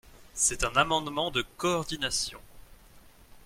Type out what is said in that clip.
C’est un amendement de coordination.